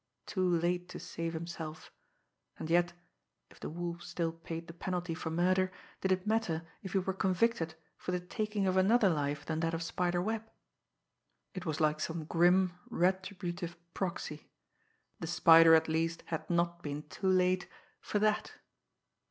Too late to save himself and yet, if the Wolf still paid the penalty for murder, did it matter if he were convicted for the taking of another life than that of Spider Webb! It was like some grim, retributive proxy! The Spider, at least, had not been too late for that!